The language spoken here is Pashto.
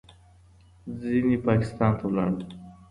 ځینې پاکستان ته ولاړل.